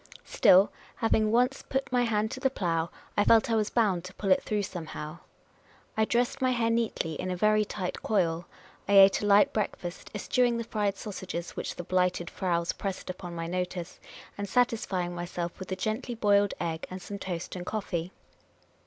Still, having once put my hand to the plough, I felt I was bound to pull it through somehow. I dressed my hair neatly, in a very tight coil. I ate a light breakfast, eschewing the fried sausages which the Blighted Fraus pressed upon my notice, and satisfying myself with a gently boiled egg and .some toast and coffee.